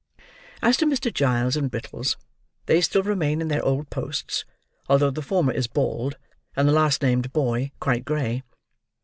As to Mr. Giles and Brittles, they still remain in their old posts, although the former is bald, and the last named boy quite grey.